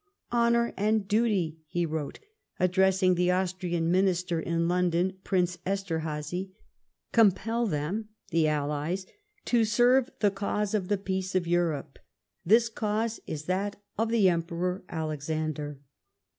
" Honour and duty," he ■wrote, addressing the Austrian minister in London, Prince Esterhazy, "compel them (the Allies) to serve the cause of the peace of Europe ; this cause is that of the Emperor Alexander."